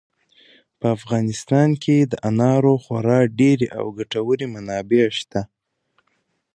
په افغانستان کې د انارو خورا ډېرې او ګټورې منابع شته.